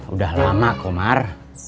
udah lama komar